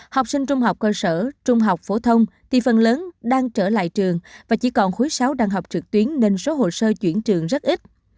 học sinh trung học cơ sở trung học phổ thông thì phần lớn đang trở lại trường và chỉ còn khối sáu đang học trực tuyến nên số hồ sơ chuyển trường rất ít